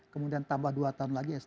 kemudian tambah dua tahun lagi s tiga